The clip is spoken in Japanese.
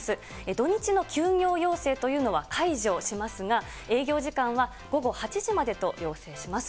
土日の休業要請というのは解除しますが、営業時間は午後８時までと要請します。